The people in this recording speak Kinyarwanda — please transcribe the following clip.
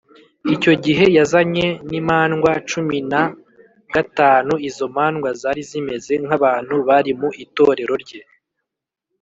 Icyo gihe yazanye n’imandwa cumin a gatanu, izo mandwa zari zimeze nk’abantu bari mu itorerero rye.